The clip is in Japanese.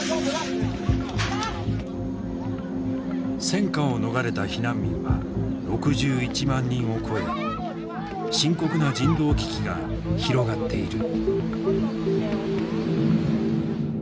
戦禍を逃れた避難民は６１万人を超え深刻な人道危機が広がっている。